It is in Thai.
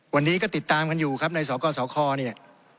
วันนี้ก็ติดตามกันอยู่ครับในสกสคเนี่ย